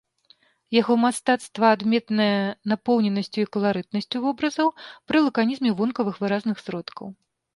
Яго мастацтва адметнае напоўненасцю і каларытнасцю вобразаў пры лаканізме вонкавых выразных сродкаў.